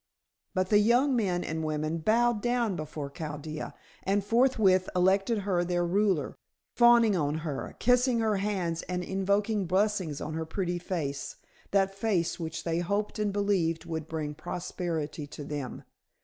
But the young men and women bowed down before Chaldea and forthwith elected her their ruler, fawning on her, kissing her hands and invoking blessings on her pretty face, that face which they hoped and believed would bring prosperity to them.